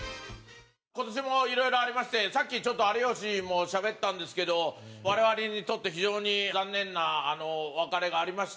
今年も、いろいろありましてさっき、ちょっと有吉もしゃべったんですけど我々にとって非常に残念な別れがありました。